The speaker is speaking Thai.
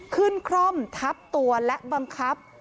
ขึ้นคล่อมทับตัวและบังคับ